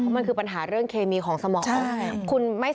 มันคือปัญหาเรื่องเคมีของสมอง